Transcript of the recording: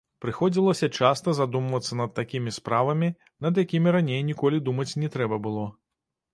Прыходзілася часта задумвацца над такімі справамі, над якімі раней ніколі думаць не трэба было.